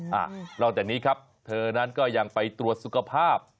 หลังจากนี้ครับเธอนั้นก็ยังไปตรวจสุขภาพ